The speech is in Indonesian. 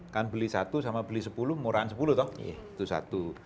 kan beli satu sama beli sepuluh murahan sepuluh toh itu satu